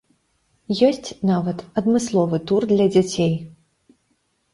Ёсць нават адмысловы тур для дзяцей.